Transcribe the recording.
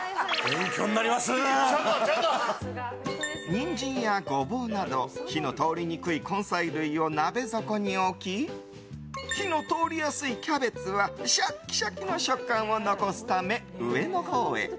ニンジンやゴボウなど火の通りにくい根菜類を鍋底に置き火の通りやすいキャベツはシャキシャキの食感を残すため上のほうへ。